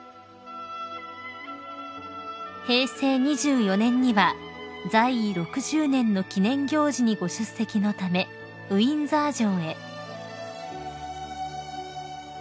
［平成２４年には在位６０年の記念行事にご出席のためウィンザー城へ］